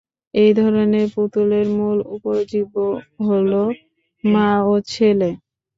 এই ধরনের পুতুলের মূল উপজীব্য হলো মা ও ছেলে।